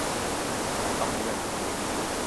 ต้องเลื่อน